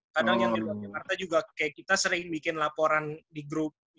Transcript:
kadang yang di luar jakarta juga kayak kita sering bikin laporan di grup